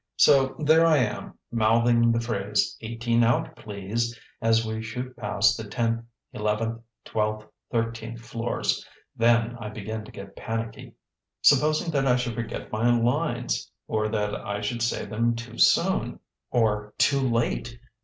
So there I am, mouthing the phrase, "Eighteen out, please," as we shoot past the tenth eleventh twelfth thirteenth floors. Then I begin to get panicky. Supposing that I should forget my lines! Or that I should say them too soon! Or too late!